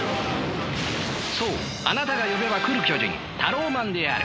そうあなたが呼べば来る巨人タローマンである。